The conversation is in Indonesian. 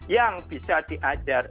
yang bisa diajar